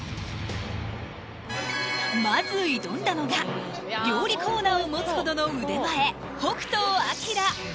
まず挑んだのが料理コーナーを持つほどの腕前北斗晶